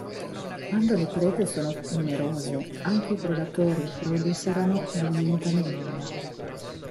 Quando le prede sono numerose, anche i predatori proliferano ed aumentano di numero.